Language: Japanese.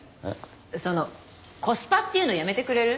その「コスパ」っていうのやめてくれる？